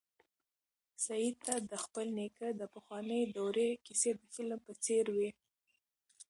سعید ته د خپل نیکه د پخوانۍ دورې کیسې د فلم په څېر وې.